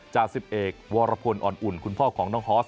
จาก๑๑วรพลอ่อนอุ่นคุณพ่อของน้องฮอส